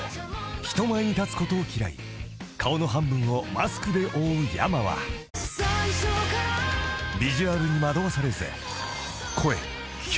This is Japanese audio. ［人前に立つことを嫌い顔の半分をマスクで覆うｙａｍａはビジュアルに惑わされず］